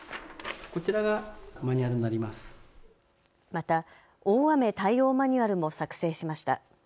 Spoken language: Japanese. また大雨対応マニュアルも作成しました。